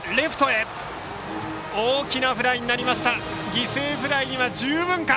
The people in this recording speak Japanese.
犠牲フライには十分。